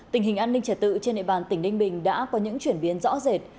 tình hình an ninh trật tự trên nệm bàn tỉnh ninh bình đã có những chuyển biến rõ rệt